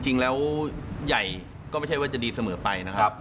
จริงแล้วใหญ่ก็ไม่ใช่ว่าจะดีเสมอไปนะครับ